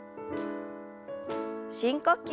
深呼吸。